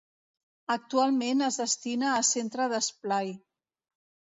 Actualment es destina a Centre d'esplai.